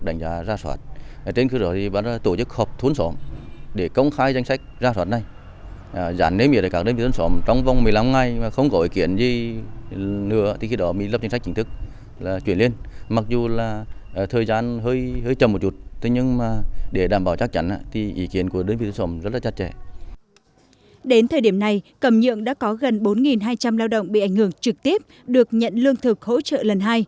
đến thời điểm này cẩm nhượng đã có gần bốn hai trăm linh lao động bị ảnh hưởng trực tiếp được nhận lương thực hỗ trợ lần hai